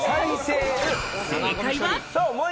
正解は。